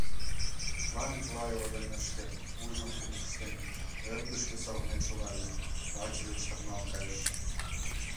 Тетла Миклай ойлен ыш керт, вуйжым кумык ыштен, ӧрдыжкӧ савырнен шогале, вачыже чытырналт кайыш.